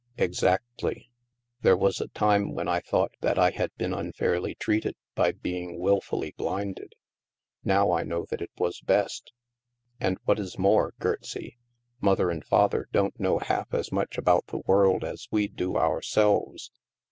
" Exactly. There was a time when I thought that I had been unfairly treated by being wilfully blinded. Now I know that it was best. And what is more, Gertsie, Mother and Father don't know half as much about the world as we do ourselves."